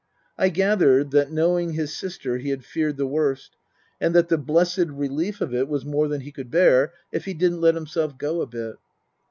I gathered that, knowing his sister, he had feared the worst, and that the blessed relief of it was more than he could bear if he didn't let himself go a bit.